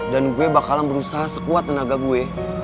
dan gue bakalan berusaha sekuat tenaga gue